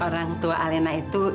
orang tua alena itu